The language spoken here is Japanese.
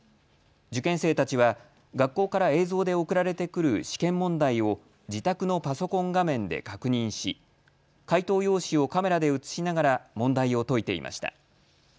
受験生たちは学校から映像で送られてくる試験問題を自宅のパソコン画面で確認し解答用紙をカメラで映しながら問題を解いていました。